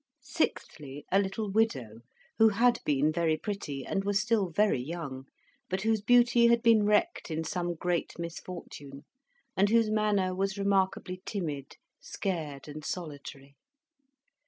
Sixthly, a little widow, who had been very pretty and was still very young, but whose beauty had been wrecked in some great misfortune, and whose manner was remarkably timid, scared, and solitary.